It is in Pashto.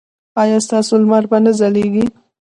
ایا ستاسو لمر به نه ځلیږي؟